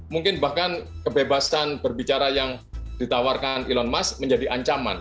mungkin bahkan kebebasan berbicara yang ditawarkan elon musk menjadi ancaman